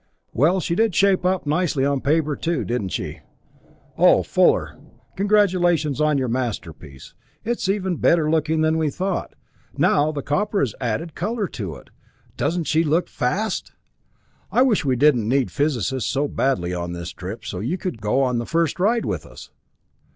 "Well, she did shape up nicely on paper, too, didn't she. Oh, Fuller, congratulations on your masterpiece. It's even better looking than we thought, now the copper has added color to it. Doesn't she look fast? I wish we didn't need physicists so badly on this trip, so you could go on the first ride with us."